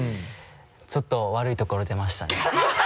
ちょっと悪いところ出ましたね。